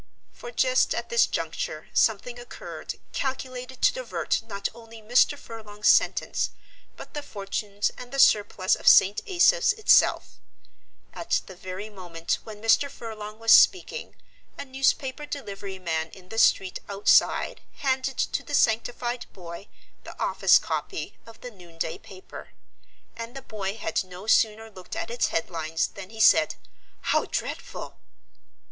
For just at this juncture something occurred calculated to divert not only Mr. Furlong's sentence, but the fortunes and the surplus of St. Asaph's itself. At the very moment when Mr. Furlong was speaking a newspaper delivery man in the street outside handed to the sanctified boy the office copy of the noonday paper. And the boy had no sooner looked at its headlines than he said, "How dreadful!"